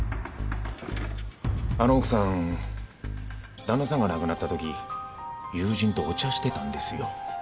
あの奥さん旦那さんが亡くなったとき友人とお茶してたんですよ。